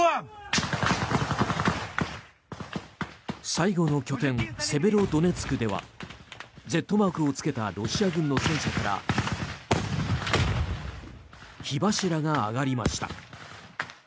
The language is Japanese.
最後の拠点セベロドネツクではＺマークをつけたロシア軍の戦車から火柱が上がりました。